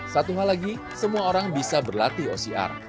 satu hal lagi semua orang bisa berlatih ocr